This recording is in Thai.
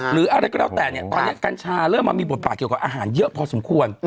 หรืออะไรก็แล้วแต่เนี่ยตอนนี้กัญชาเริ่มมามีบทบาทเกี่ยวกับอาหารเยอะพอสมควร